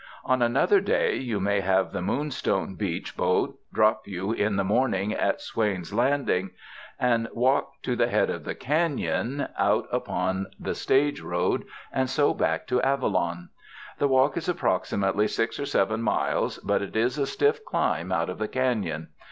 On another day you may have the Moonstone Beach boat drop you in the morning at Swain's Landing, and walk to the head of the canon out 183 UNDER THE SKY IN CALIFORNIA upon the stage road and so back to Avalon. The walk is approximately six or seven miles, but it is a stiff climb out of the canon.